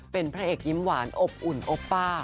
เป็นพระเอกยิ้มหวานอบอุ่นโอป้า